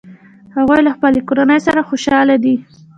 هغوی له خپلې کورنۍ سره خوشحاله دي